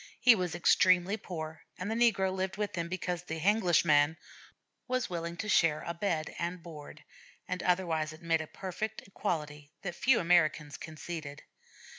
He was extremely poor, and the negro lived with him because the 'Henglish man' was willing to share bed and board, and otherwise admit a perfect equality that few Americans conceded.